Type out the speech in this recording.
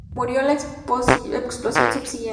Murió en la explosión subsiguiente.